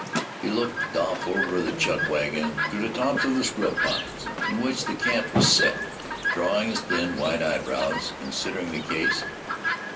He looked off over the chuck wagon, through the tops of the scrub pines in which the camp was set, drawing his thin, white eyebrows, considering the case.